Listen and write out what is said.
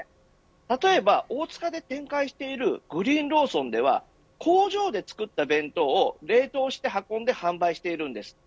例えば大塚で展開しているグリーンローソンでは工場で作った弁当を冷凍して、運んでいるんです。